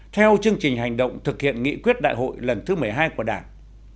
theo chương trình hành động thực hiện nghị quyết đại hội lần thứ một mươi hai của đảng